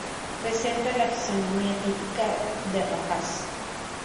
Presenta la fisionomía típica de rapaz.